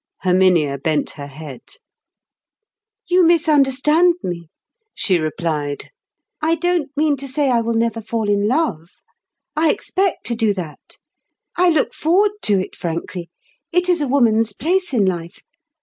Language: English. Herminia bent her head. "You misunderstand me," she replied. "I don't mean to say I will never fall in love. I expect to do that. I look forward to it frankly—it is a woman's place in life.